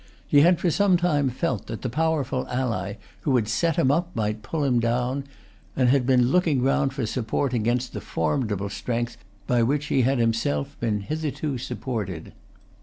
He had for some time felt that the powerful ally who had set him up, might pull him down, and had been looking round for support against the formidable strength by which he had himself been hitherto supported.